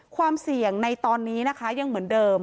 ความเสี่ยงในตอนนี้นะคะยังเหมือนเดิม